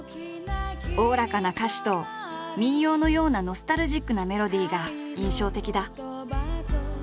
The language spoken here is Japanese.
おおらかな歌詞と民謡のようなノスタルジックなメロディが印象的だ。